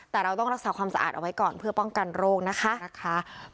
แต่เราต้องรักษาความสะอาดเอาไว้ก่อนเพื่อป้องกันโรคนะคะ